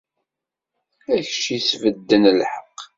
A kečč yesbedden lḥeqq!